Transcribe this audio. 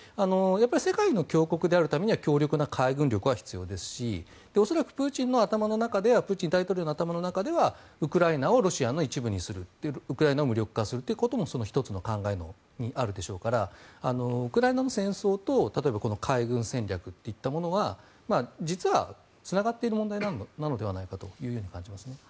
世界の強国であるためには強力な海軍力は必要ですし恐らくプーチン大統領の頭の中ではウクライナをロシアの一部にするウクライナを無力化するというのもその考えの１つにあるでしょうからウクライナの戦争と、例えばこの海軍戦略といったものは実はつながっている問題なのではないかと感じます。